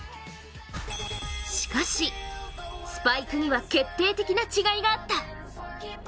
しかし、スパイクには決定的な違いがあった。